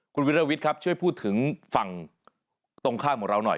คุณวิรวิทย์ครับช่วยพูดถึงฝั่งตรงข้ามของเราหน่อย